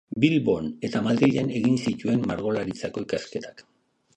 Bilbon eta Madrilen egin zituen Margolaritzako ikasketak.